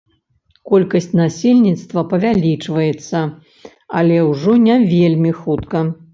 Колькасць насельніцтва павялічваецца, але ўжо не вельмі хутка.